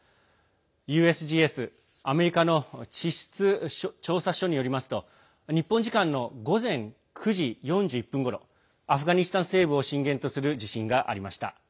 ＵＳＧＳ、アメリカの地質調査所によりますと日本時間の午前９時４０分ごろアフガニスタン西部を震源とする地震がありました。